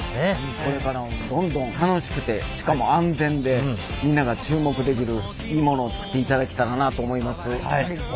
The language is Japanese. これからもどんどん楽しくてしかも安全でみんなが注目できるいいものを作っていただけたらなと思います。